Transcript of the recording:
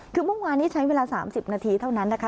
คือเมื่อวานนี้ใช้เวลา๓๐นาทีเท่านั้นนะคะ